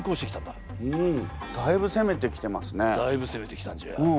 だいぶせめてきたんじゃ。